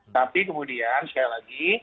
tapi kemudian sekali lagi